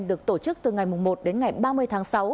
được tổ chức từ ngày một đến ngày ba mươi tháng sáu